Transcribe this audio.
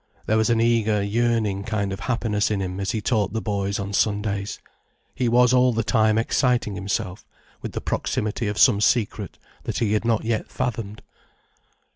There was an eager, yearning kind of happiness in him as he taught the boys on Sundays. He was all the time exciting himself with the proximity of some secret that he had not yet fathomed.